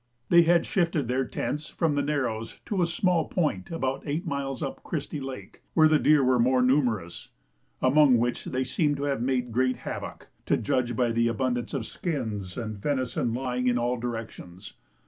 They had shifted their tents from the narrows to a small point about eight miles up Christie Lake, where the deer were more numerous, among which they seemed to have made great havoc, to judge by the abundance of skins and venison lying in all directions.